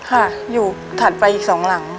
ค่ะอยู่ถัดไปอีกสองหลัง